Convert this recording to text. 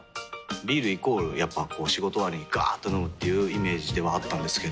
ビールイコールやっぱこう仕事終わりにガーっと飲むっていうイメージではあったんですけど。